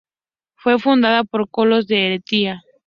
Fue fundada por colonos de Eretria.